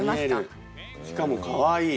しかもかわいい。